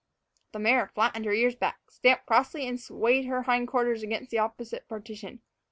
The mare flattened her ears back, stamped crossly, and swayed her hind quarters against the opposite partition.